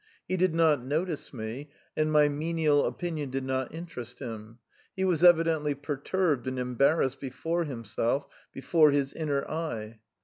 He did not notice me, and my menial opinion did not interest him; he was evidently perturbed and embarrassed before himself, before his inner eye.